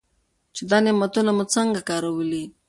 چې دا نعمتونه مو څنګه کارولي.